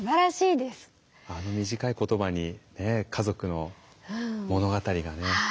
あの短い言葉に家族の物語がね